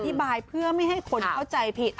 บายเพื่อไม่ให้คนเข้าใจผิด